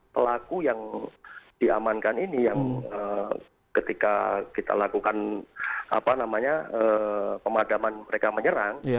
pelaku yang diamankan ini yang ketika kita lakukan pemadaman mereka menyerang